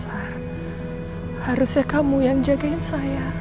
al juga jagain mama